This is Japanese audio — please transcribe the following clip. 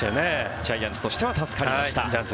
ジャイアンツとしては助かりました。